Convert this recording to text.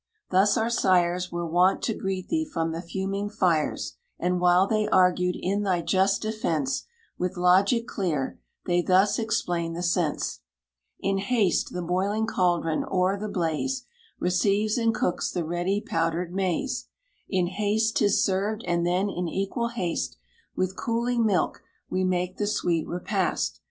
Thus our sires Were wont to greet thee from the fuming fires; And while they argued in thy just defence, With logic clear, they thus explained the sense: "In haste the boiling caldron, o'er the blaze, Receives and cooks the ready powdered maize; In haste 'tis served, and then in equal haste, With cooling milk, we make the sweet repast.